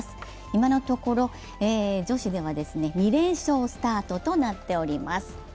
今のところ、女子では２連勝スタートとなっております。